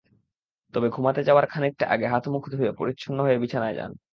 তবে, ঘুমাতে যাওয়ার খানিকটা আগে হাত-মুখ ধুয়ে পরিচ্ছন্ন হয়ে বিছানায় যান।